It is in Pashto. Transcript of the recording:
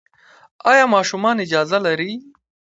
ایا ماشومان اجازه لري؟